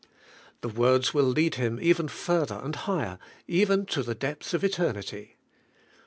The words will lead him even further and higher, even to the depths of eternity.